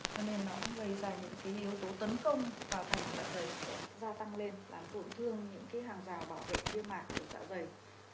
cho nên nó cũng gây ra những cái yếu tố tấn công vào phòng lạc dày gia tăng lên làm tổn thương những cái hàng rào bảo vệ viêm mạc của tạ dày